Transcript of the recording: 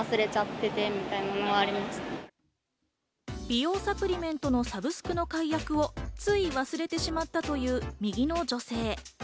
美容サプリメントのサブスクの解約をつい忘れてしまったという右の女性。